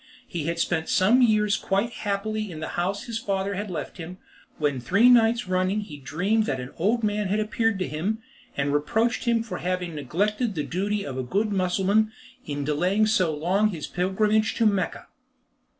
He had spent some years quite happily in the house his father had left him, when three nights running he dreamed that an old man had appeared to him, and reproached him for having neglected the duty of a good Mussulman, in delaying so long his pilgrimage to Mecca.